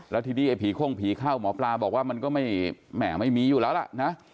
แล้วทีนี้ไอ้ผีโค้งผีเข้าหมอปลาบอกว่ามันก็ไม่แหมไม่มีอยู่แล้วล่ะนะ